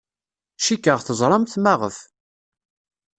Cikkeɣ teẓramt maɣef.